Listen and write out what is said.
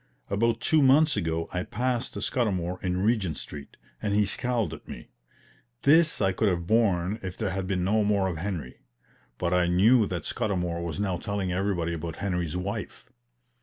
About two months ago I passed Scudamour in Regent Street, and he scowled at me. This I could have borne if there had been no more of Henry; but I knew that Scudamour was now telling everybody about Henry's wife.